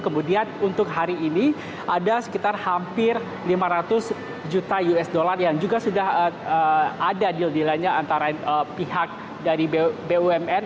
kemudian untuk hari ini ada sekitar hampir lima ratus juta usd yang juga sudah ada deal dealnya antara pihak dari bumn